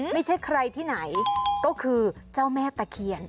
ไม่ใช่ใครที่ไหนก็คือเจ้าแม่ตะเคียน